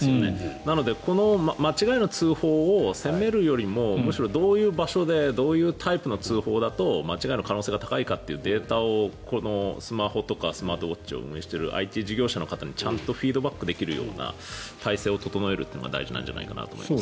なので、この間違えの通報を責めるよりもむしろどういう場所でどういうタイプの通報だと間違いの可能性が高いかというデータをスマホやスマートウォッチを運営しているＩＴ事業者の方にちゃんとフィードバックできる体制を整えるのが大事なんじゃないかと思います。